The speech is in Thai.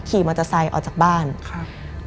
มันกลายเป็นรูปของคนที่กำลังขโมยคิ้วแล้วก็ร้องไห้อยู่